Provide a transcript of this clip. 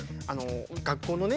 学校のね